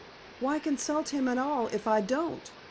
"Why consult him at all, if I don't?"